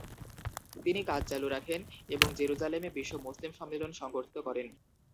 তিনি কাজ চালু রাখেন এবং জেরুজালেমে বিশ্ব মুসলিম সম্মেলন সংগঠিত করেন।